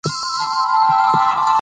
جین د خپلې پرېکړې پر بدلون فکر وکړ.